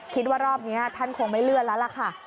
คิดว่ารอบนี้ท่านคงไม่เลื่อนแล้วล่ะค่ะ